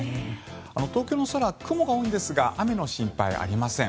東京の空は雲が多いんですが雨の心配はありません。